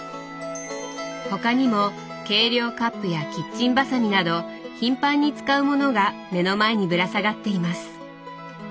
他にも計量カップやキッチンバサミなど頻繁に使うものが目の前にぶら下がっています。